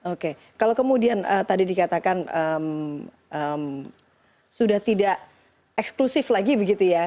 oke kalau kemudian tadi dikatakan sudah tidak eksklusif lagi begitu ya